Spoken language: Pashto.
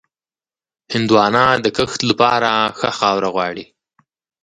هندوانه د کښت لپاره ښه خاوره غواړي.